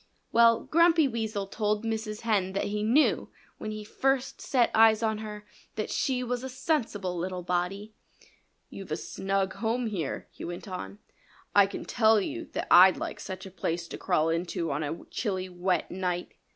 Well, Grumpy Weasel told Mrs. Hen that he knew, when he first set eyes on her, that she was a sensible little body. "You've a snug home here," he went on. "I can tell you that I'd like such a place to crawl into on a chilly, wet night."